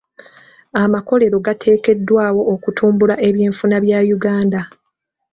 Amakolero gateekeddwawo okutumbula ebyenfuna bya Uganda.